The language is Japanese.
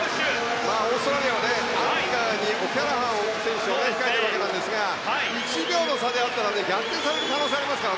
オーストラリアはアンカーにはオキャラハン選手を控えているわけですが１秒の差で逆転される可能性がありますから。